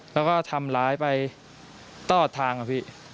แล้วก็ทำร้ายไปตลอดทางอะพี่